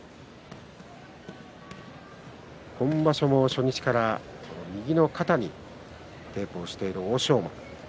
今場所も初日から右の肩にテープをしている欧勝馬。